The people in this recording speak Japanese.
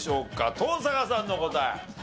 登坂さんの答え。